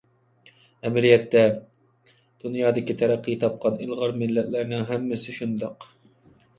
ئەمەلىيەتتە، دۇنيادىكى تەرەققىي تاپقان ئىلغار مىللەتلەرنىڭ ھەممىسى شۇنداق.